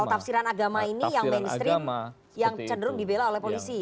kalau tafsiran agama ini yang mainstream yang cenderung dibela oleh polisi